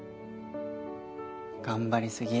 頑張りすぎ。